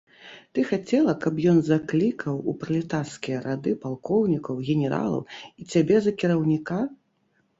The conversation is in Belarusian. Ты хацела, каб ён заклікаў у пралетарскія рады палкоўнікаў, генералаў і цябе за кіраўніка?